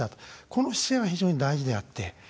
この姿勢は非常に大事であって。